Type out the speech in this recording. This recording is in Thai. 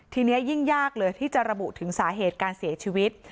ทีนี้ยิ่งยากเลยที่จะระบุถึงสาเหตุการเสียชีวิต